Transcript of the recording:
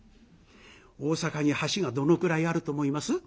大阪に橋がどのくらいあると思います？